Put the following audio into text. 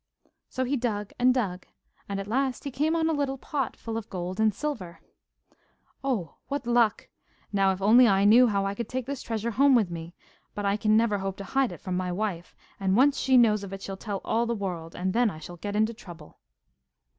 So he dug and dug, and at last he came on a little pot full of gold and silver. 'Oh, what luck! Now, if only I knew how I could take this treasure home with me but I can never hope to hide it from my wife, and once she knows of it she'll tell all the world, and then I shall get into trouble.